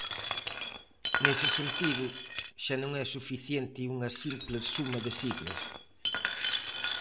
Nese sentido, xa non é suficiente unha simple suma de siglas.